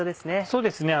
そうですね。